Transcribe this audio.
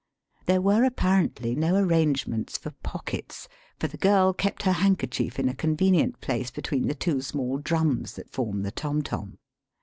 There were apparently no arrangements for pockets, for the girl kept her handkerchief in a convenient place between the two small drums that form the tom tom.